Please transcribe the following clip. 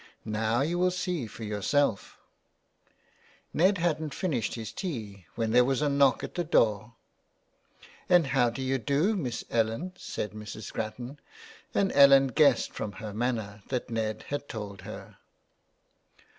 Now you will see for yourself" Ned hadn't finished his tea when there was a knock at the door. " And how do you do, Miss Ellen ?" said Mrs. Grattan, and Ellen guessed from her manner that Ned had told her.